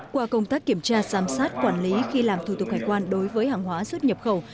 qua công tác kiểm tra giám sát quản lý khi làm thủ tục hải quan đối với hàng hóa xuất nhập khẩu